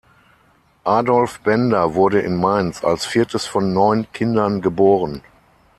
Adolf Bender wurde in Mainz als viertes von neun Kindern geboren.